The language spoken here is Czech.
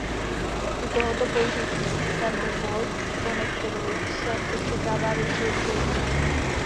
U tohoto použití Thunderbolt konektoru se očekává většího přijetí.